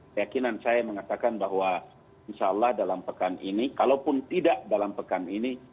keyakinan saya mengatakan bahwa insya allah dalam pekan ini kalaupun tidak dalam pekan ini